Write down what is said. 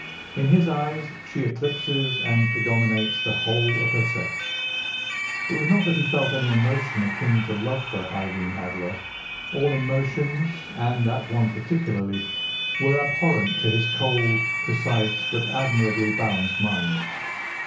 In his eyes she eclipses and predominates the whole of her sex. It was not that he felt any emotion akin to love for Irene Adler. All emotions, and that one particularly, were abhorrent to his cold, precise but admirably balanced mind.